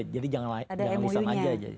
jadi jangan lisan aja